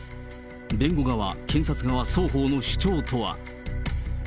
弁護側、検察側双方の主張とは。